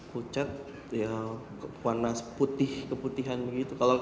pucat ya warna putih keputihan begitu